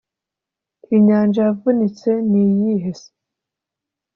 inyanja yavutse ni iyihe se